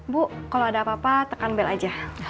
bu kalau ada apa apa tekan bel aja